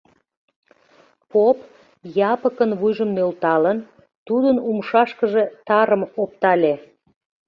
Поп, Япыкын вуйжым нӧлталын, тудын умшашкыже тарым оптале.